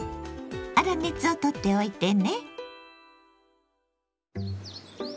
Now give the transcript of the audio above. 粗熱をとっておいてね。